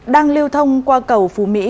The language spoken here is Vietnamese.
đang lưu thông qua cầu phú mỹ